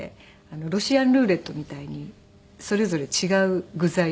ロシアンルーレットみたいにそれぞれ違う具材を入れて。